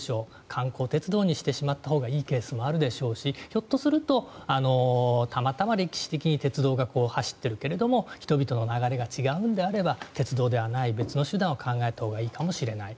観光鉄道にしてしまったほうがいいケースもあるでしょうしひょっとするとたまたま歴史的に鉄道が走っているけれども人々の流れが違うのであれば鉄道ではない別の手段を考えたほうがいいかもしれない。